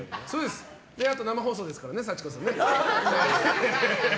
あと生放送ですからね、幸子さん。